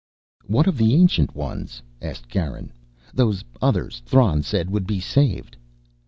"What of the Ancient Ones?" asked Garin "those others Thran said would be saved?"